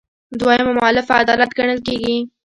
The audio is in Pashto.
دویمه مولفه عدالت ګڼل کیږي.